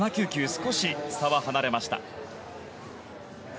少し差は離れました。